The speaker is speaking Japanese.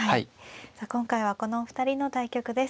今回はこのお二人の対局です。